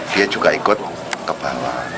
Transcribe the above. dia juga ikut ke bawah